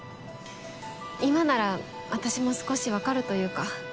今なら私も少しわかるというか。